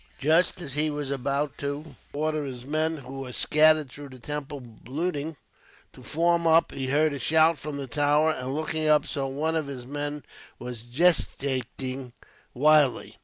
Just as he was about to order his men, who were scattered through the temple looting, to form up, he heard a shout from the tower; and, looking up, saw one of his men there gesticulating wildly.